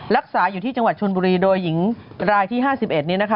รักษาอยู่ที่จังหวัดชนบุรีโดยหญิงรายที่๕๑นี้นะคะ